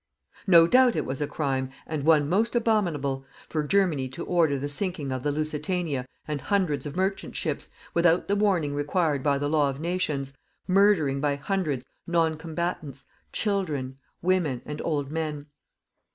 No doubt it was a crime and one most abominable for Germany to order the sinking of the Lusitania and hundreds of merchant ships, without the warning required by the Law of Nations, murdering by hundreds non combatants, children, women, and old men.